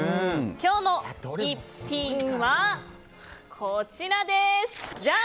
今日の逸品はこちらです。